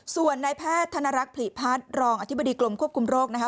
ส่วนนายแพทย์ธนรักษ์ผลิพัฒน์รองอธิบดีกรมควบคุมโรคนะคะ